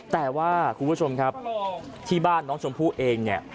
แต่ว่าคุณผู้ชมครับที่บ้านน้องชมพู่เองเนี่ย